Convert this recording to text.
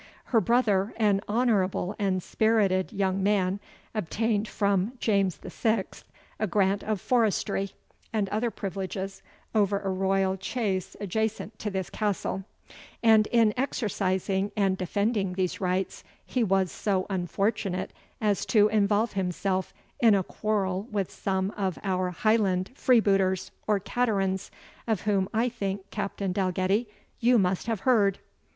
Her brother, an honourable and spirited young man, obtained from James the Sixth a grant of forestry, and other privileges, over a royal chase adjacent to this castle; and, in exercising and defending these rights, he was so unfortunate as to involve himself in a quarrel with some of our Highland freebooters or caterans, of whom I think, Captain Dalgetty, you must have heard."